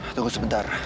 aku mau kemana